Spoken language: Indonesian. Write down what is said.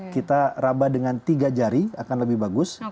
kita rabah dengan tiga jari akan lebih bagus